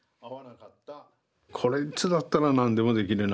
「こいつだったら何でもできるな」